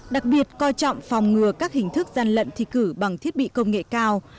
đặc biệt coi trọng phòng ngừa các hình thức gian lận thi cử bằng thiết bị công nghệ cao